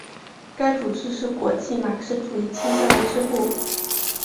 该组织是国际马克思主义倾向的支部。